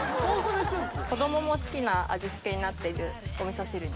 子供も好きな味付けになっているお味噌汁。